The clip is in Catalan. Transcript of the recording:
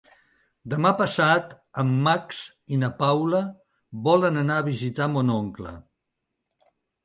Demà passat en Max i na Paula volen anar a visitar mon oncle.